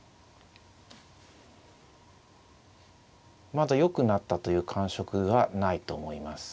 まだよくなったという感触はないと思います。